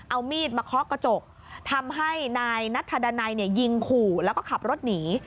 เอามีดมาเคาะกระจกทำให้นายนัทธดันัยเนี่ยยิงขู่แล้วก็ขับรถหนี